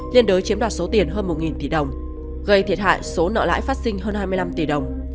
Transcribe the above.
liên đối chiếm đoạt số tiền hơn một tỷ đồng gây thiệt hại số nợ lãi phát sinh hơn hai mươi năm tỷ đồng